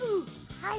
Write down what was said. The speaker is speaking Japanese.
あれ？